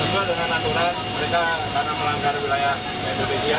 sesuai dengan aturan mereka karena melanggar wilayah indonesia